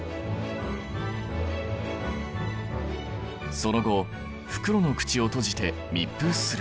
その後袋の口を閉じて密封する。